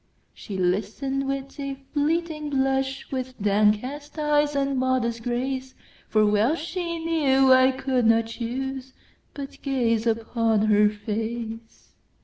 She listen'd with a flitting blush, With downcast eyes and modest grace; For well she knew, I could not chooseBut gaze upon her face.